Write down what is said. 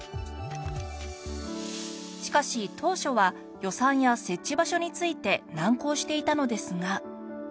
しかし当初は予算や設置場所について難航していたのですが。